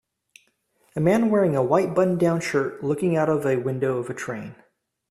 A man wearing a white button down shirt looking out of a window of a train.